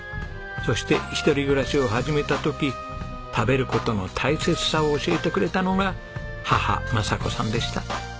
そして一人暮らしを始めた時食べる事の大切さを教えてくれたのが母政子さんでした。